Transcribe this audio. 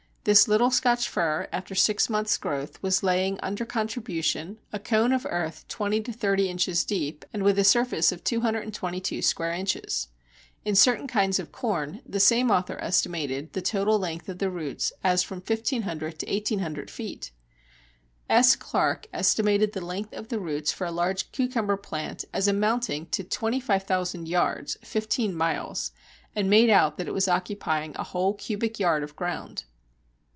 This little Scotch fir after six months' growth was laying under contribution a cone of earth twenty to thirty inches deep and with a surface of 222 square inches. In certain kinds of corn the same author estimated the total length of the roots as from 1500 to 1800 feet. S. Clark estimated the length of the roots of a large cucumber plant as amounting to 25,000 yards (fifteen miles), and made out that it was occupying a whole cubic yard of ground.